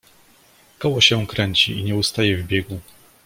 "Koło się kręci i nie ustaje w biegu!..."